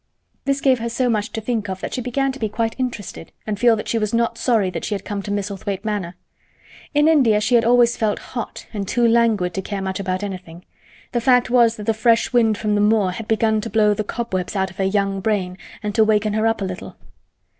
This gave her so much to think of that she began to be quite interested and feel that she was not sorry that she had come to Misselthwaite Manor. In India she had always felt hot and too languid to care much about anything. The fact was that the fresh wind from the moor had begun to blow the cobwebs out of her young brain and to waken her up a little.